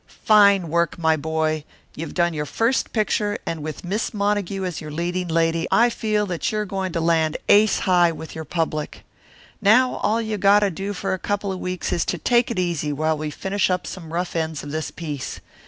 "Fine work, my boy! You've done your first picture, and with Miss Montague as your leading lady I feel that you're going to land ace high with your public. Now all you got to do for a couple of weeks is to take it easy while we finish up some rough ends of this piece.